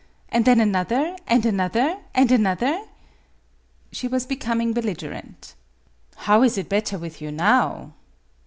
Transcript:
And then another, and another, and another ?" She was becoming belligerent. " How is it better with you now